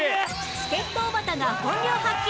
助っ人おばたが本領発揮